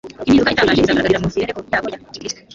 impinduka itangaje izagaragarira mu mibereho yabo ya gikristo